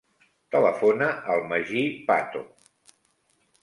Telefona al Magí Pato.